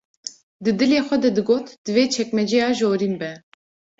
‘’Di dilê xwe de digot: Divê çekmeceya jorîn be.